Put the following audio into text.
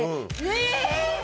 え！